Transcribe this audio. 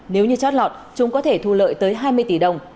nếu như chót lọt chúng có thể thu lợi tới hai mươi tỷ đồng